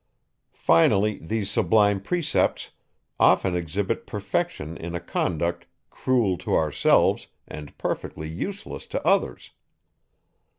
Finally, these sublime precepts often exhibit perfection in a conduct, cruel to ourselves, and perfectly useless to others.